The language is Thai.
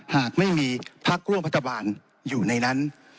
หากไม่มีพักร่วมรัฐบาลอยู่ในนั้น